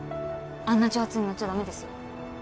あんな挑発に乗っちゃ駄目ですよ。